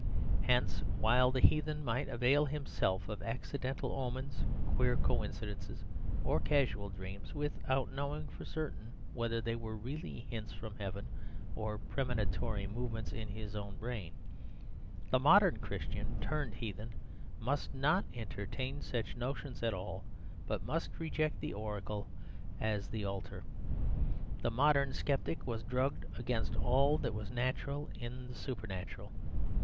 Hence, while the heathen might avail himself of accidental omens, queer coincidences or casual dreams, without knowing for certain whether they were really hints from heaven or premonitory movements in his own brain, the modern Christian turned heathen must not entertain such notions at all, but must reject the oracle as the altar. The modern sceptic was drugged against all that was natural in the supernatural.